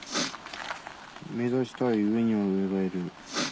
目指したい上には上がいる」。